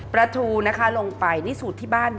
ประทูลงไปนี่สูตรที่บ้าน